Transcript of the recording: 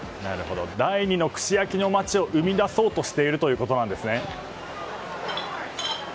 第２の串焼きの町を生み出そうとしているということなんですね。